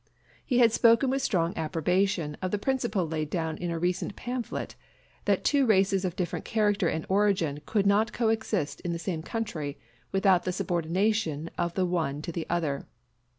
He had spoken with strong approbation of the principle laid down in a recent pamphlet, that two races of different character and origin could not coexist in the same country without the subordination of the one to the other.